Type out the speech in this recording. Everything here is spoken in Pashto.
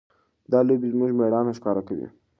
دا لوبې زموږ مېړانه ښکاره کوي.